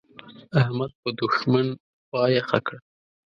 احمد په دوښمن خوا يخه کړه.